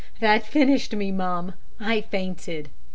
That finished me, mum I fainted.